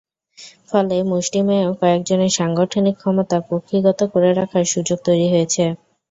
ফলে মুষ্টিমেয় কয়েকজনের সাংগঠনিক ক্ষমতা কুক্ষিগত করে রাখার সুযোগ তৈরি হয়েছে।